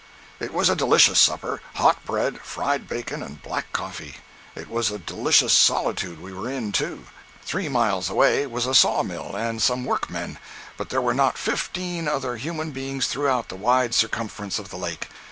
It was a delicious supper—hot bread, fried bacon, and black coffee. It was a delicious solitude we were in, too. Three miles away was a saw mill and some workmen, but there were not fifteen other human beings throughout the wide circumference of the lake.